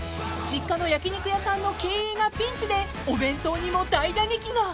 ［実家の焼き肉屋さんの経営がピンチでお弁当にも大打撃が］